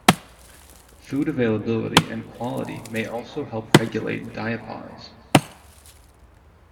Food availability and quality may also help regulate diapause.